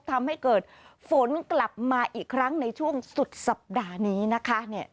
ทำให้เกิดฝนกลับมาอีกครั้งในช่วงสุดสัปดาห์นี้นะคะ